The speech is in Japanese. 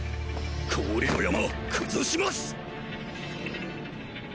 氷の山崩します！